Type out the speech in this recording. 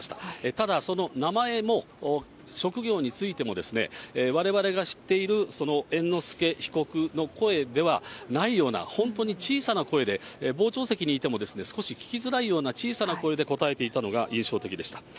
ただ、その名前も職業についても、われわれが知っているその猿之助被告の声ではないような、本当に小さな声で、傍聴席にいても、少し聞きづらいような、小さな声で答えていたのが印象的でした。